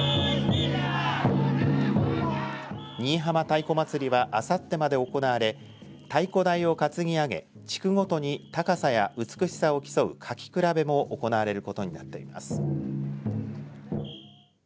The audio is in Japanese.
新居浜太鼓祭りはあさってまで行われ太鼓台を担ぎ上げ地区ごとに高さや美しさを競うかきくらべも行われることになっています。